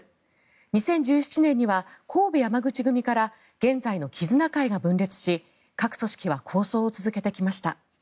２０１７年には神戸山口組から現在の絆會が分裂し各組織は抗争を続けてきました。